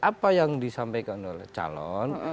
apa yang disampaikan oleh calon